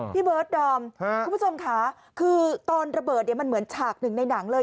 พี่เบิร์ดดอมคุณผู้ชมค่ะคือตอนระเบิดเนี่ยมันเหมือนฉากหนึ่งในหนังเลย